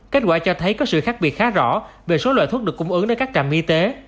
kết quả cho thấy có sự khác biệt khá rõ về số loại thuốc được cung ứng đến các trạm y tế